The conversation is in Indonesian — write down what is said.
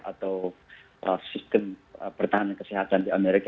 atau sistem pertahanan kesehatan di amerika